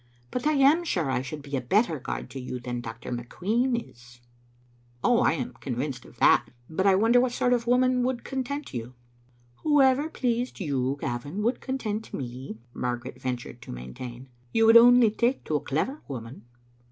But I am sure I should be a better guide to you than Dr. McQueen is." " I am convinced of that. But I wonder what sort of woman would content you?" "Whoever pleased you, Gavin, would content me," Margaret ventured to maintain. " You would only take to a clever woman."